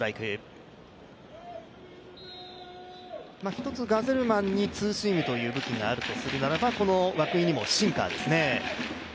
１つガゼルマンにツーシームという武器があるとするならばこの涌井にもシンカーですね。